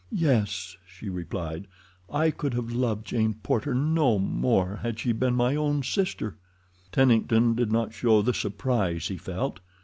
"Yes," she replied; "I could have loved Jane Porter no more had she been my own sister." Tennington did not show the surprise he felt.